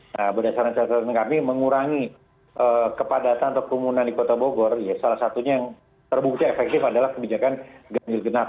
nah berdasarkan catatan kami mengurangi kepadatan atau kerumunan di kota bogor ya salah satunya yang terbukti efektif adalah kebijakan ganjil genap